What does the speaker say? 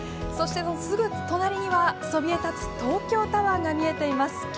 そして、すぐ隣にはそびえ立つ東京タワーが見えています。